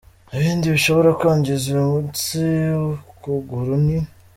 Ibindi bishobora kwangiza uyu mutsi w’ukuguru ni:.